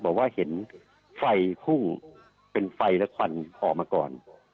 บอกว่าเห็นไฟพุ่งเป็นไฟและควันห่อมาก่อน